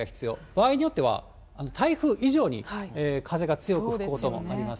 場合によっては、台風以上に風が強く吹くこともあります。